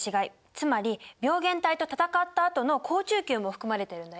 つまり病原体と戦ったあとの好中球も含まれてるんだよ。